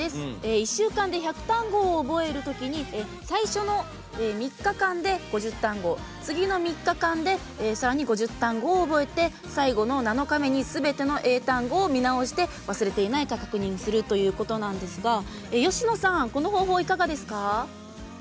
１週間で１００単語を覚えるときに最初の３日で５０単語次の３日で残りの５０単語を覚えて７日目にすべての単語を見直して忘れてないか確認するということなんですが吉野さん、この方法はいかがですか？